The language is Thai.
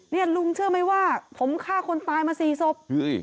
ลุงเชื่อไหมว่าผมฆ่าคนตายมาสี่ศพ